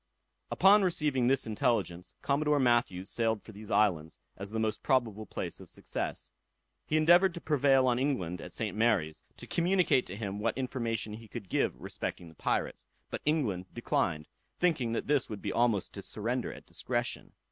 Upon receiving this intelligence, Commodore Matthews sailed for these islands, as the most probable place of success. He endeavored to prevail on England, at St. Mary's, to communicate to him what information he could give respecting the pirates; but England declined, thinking that this would be almost to surrender at discretion.